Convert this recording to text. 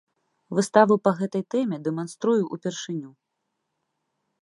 Выставу па гэтай тэме дэманструю ўпершыню.